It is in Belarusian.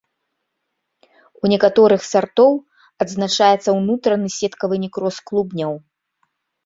У некаторых сартоў адзначаецца ўнутраны сеткавы некроз клубняў.